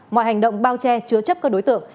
mọi hành động bao che chứa chấp các đối tượng